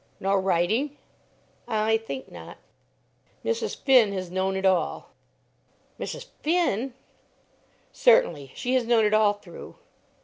"Nor writing?" "I think not." "Mrs. Finn has known it all." "Mrs. Finn!" "Certainly. She has known it all through."